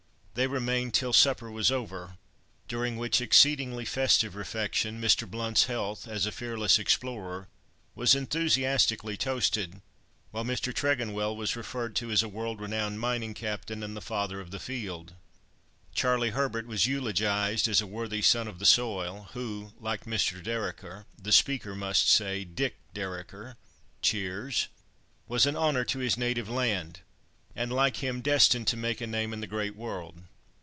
They remained till supper was over, during which exceedingly festive refection, Mr. Blount's health, as a fearless explorer, was enthusiastically toasted, while Mr. Tregonwell was referred to as a world renowned mining captain, and the father of the field. Charlie Herbert was eulogised as a worthy son of the soil, who, like Mr. Dereker—the speaker must say "Dick" Dereker (cheers)—was an honour to his native land, and like him, destined to make a name in the great world.